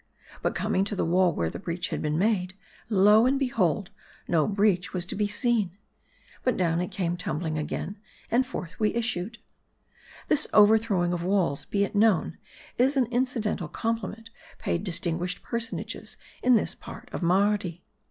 But coming to the wall where the breach had been made, lo, and behold, no breach was to be seen. But down it came tumbling again, and forth we issued. This overthrowing of walls, be it known, is an incidental compliment paid distinguished personages in this part of Mardi.